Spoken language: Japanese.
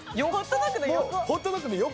ホットドッグの横。